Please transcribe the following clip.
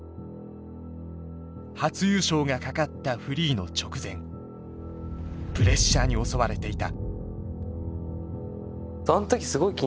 初優勝がかかったフリーの直前プレッシャーに襲われていた。